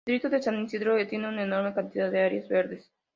El distrito de San Isidro tiene una enorme cantidad de áreas verdes.